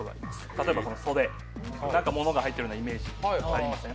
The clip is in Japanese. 例えばこの袖、何か物が入ってるイメージありません？